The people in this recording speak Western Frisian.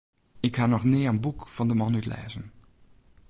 Ik ha noch nea in boek fan de man útlêzen.